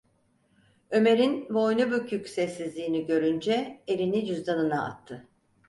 Ömer’in boynu bükük sessizliğini görünce elini cüzdanına attı.